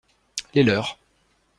Les leurs.